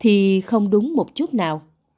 thì không đúng một chút nào